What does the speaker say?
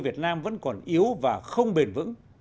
việt nam vẫn còn yếu và không bền vững